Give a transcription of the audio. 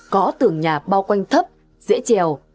có tường nhà bao quanh thấp dễ trèo